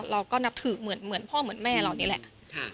เราก็นับถือเหมือนพ่อเหมือนแม่เรานี่แหละ